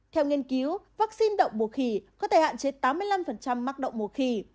theo nghiên cứu vaccine động mùa khỉ có thể hạn chế tám mươi năm mắc động mùa khỉ